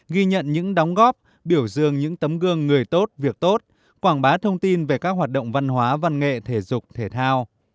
ghi nhận những đóng góp biểu dương những tấm gương người tốt việc tốt quảng bá thông tin về các hoạt động văn hóa văn nghệ thể dục thể thao